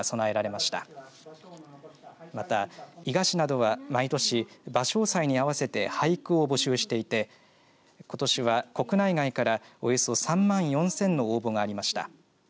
また伊賀市などは毎年芭蕉祭に合わせて俳句を募集していてことしは国内外からおよそ３万４０００の応募がありました。